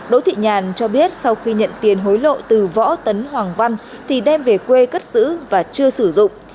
đỗ thị nhàn cho biết sau khi nhận tiền hối lộ từ võ tấn hoàng văn thì đem về quê cất giữ và chưa sử dụng